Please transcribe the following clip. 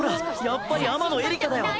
やっぱり天野エリカだよ！